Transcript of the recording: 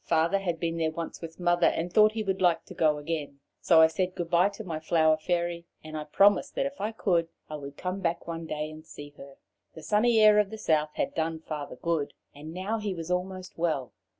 Father had been there once with Mother, and thought he would like to go again. So I said goodbye to my Flower Fairy, and promised that if I could I would come back one day to see her. The sunny air of the south had done Father good, and now he was almost well.